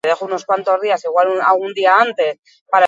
Azal asko eta mamirik ez, hezurrak agertu nahirik.